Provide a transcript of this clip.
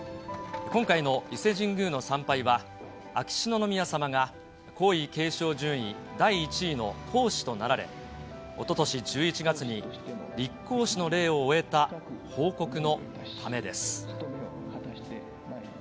今回の伊勢神宮の参拝は、秋篠宮さまが皇位継承順位第１位の皇嗣となられ、おととし１１月に立皇嗣の礼を終えた報告のためです。